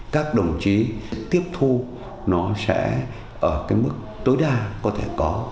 các đồng chí tiếp thu nó sẽ ở cái mức tối đa có thể có